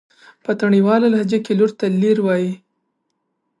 په تڼيواله لهجه کې لور ته لير وايي.